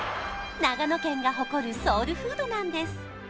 長野県が誇るソウルフードなんです